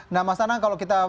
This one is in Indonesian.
nah mas anang kalau kita